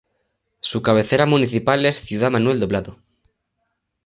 Su cabecera municipal es Ciudad Manuel Doblado.